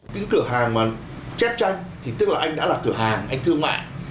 cái cửa hàng mà chép tranh thì tức là anh đã là cửa hàng anh thương mại